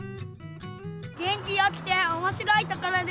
元気よくておもしろいところです。